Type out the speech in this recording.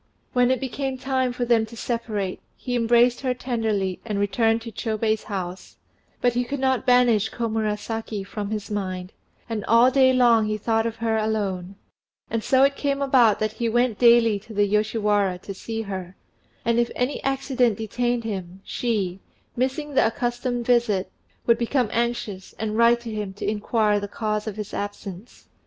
When it became time for them to separate, he embraced her tenderly and returned to Chôbei's house; but he could not banish Komurasaki from his mind, and all day long he thought of her alone; and so it came about that he went daily to the Yoshiwara to see her, and if any accident detained him, she, missing the accustomed visit, would become anxious and write to him to inquire the cause of his absence.